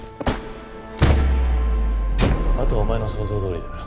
あとはお前の想像どおりだ。